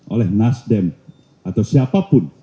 oleh nasdem atau siapapun